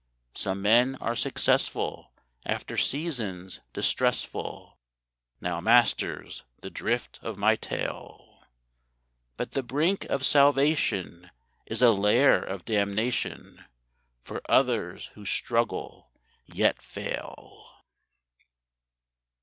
Some men are successful after seasons distressful [Now, masters, the drift of my tale]; But the brink of salvation is a lair of damnation For others who struggle, yet fail.